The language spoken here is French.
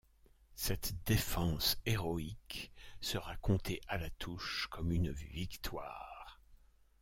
Cette défense héroïque sera comptée à La Touche comme une victoire.